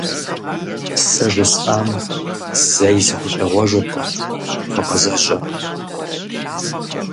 Сэ жысӀам зэи сыхущӀегъуэжыркъым, фыкъызэжьэ!